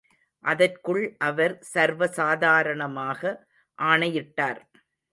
அதற்குள் அவர் சர்வசாதாரணமாக ஆணையிட்டார்.